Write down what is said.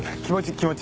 気持ち！